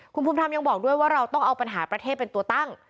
คุณภูมิธรรมยังบอกด้วยว่าเราต้องเอาปัญหาประเทศเป็นตัวตั้ง